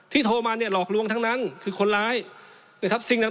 ที่โทรมาเนี่ยหลอกลวงทั้งนั้นคือคนร้ายเนี่ยครับสิ่งต่าง